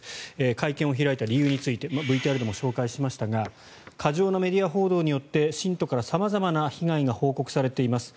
会見を開いた理由についてＶＴＲでも紹介しましたが過剰なメディア報道によって信徒から様々な被害が報告されています